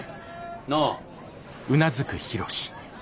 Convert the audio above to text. なあ？